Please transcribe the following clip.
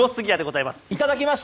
いただきました。